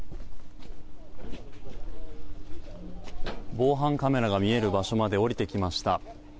防犯カメラが見える場所まで下りてきました。